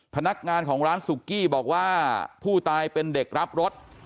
พนักงานของร้านสุกี้บอกว่าผู้ตายเป็นเด็กรับรถ